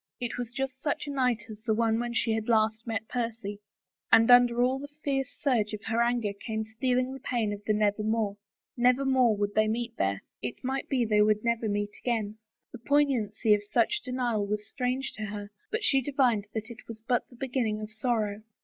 It was just such a night as the one when she had last met Percy, and under all the fierce surge of her anger came stealing the pain of the nevermore. Nevermore would they meet there — it might be they would never 22 "Was it — could it be — Percy?" A BROKEN BETROTHAL meet again. The poignancy of such denial was strange to her, but she divined that it was but the beginning of sorrow.